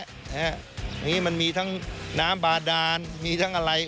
อย่างนี้มันมีทั้งน้ำบาดานมีทั้งอะไร